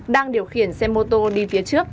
đang điều khiển xe mô tô đi phía trước